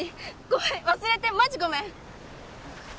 ごめん忘れてマジごめん